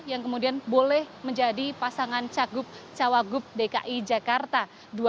yang kemudian boleh menjadi pasangan cagup cawagup dki jakarta